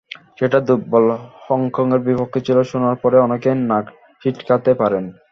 সেটা দুর্বল হংকংয়ের বিপক্ষে ছিল শোনার পরে অনেকেই নাক সিঁটকাতে পারেন।